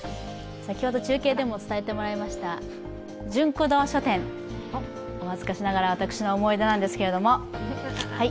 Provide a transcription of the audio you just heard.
先ほど中継でも伝えてもらいましたジュンク堂書店、お恥ずかしながら私の思い出なんですけども。